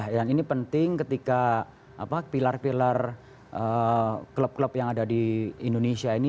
yang ini penting ketika pilar pilar klub klub yang ada di indonesia ini